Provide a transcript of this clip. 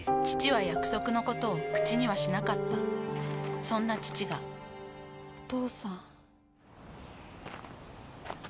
父は約束のことを口にはしなかったそんな父がお父さん。